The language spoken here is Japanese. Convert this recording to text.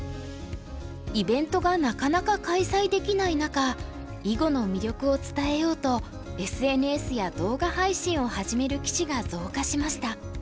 イベントがなかなか開催できない中囲碁の魅力を伝えようとＳＮＳや動画配信を始める棋士が増加しました。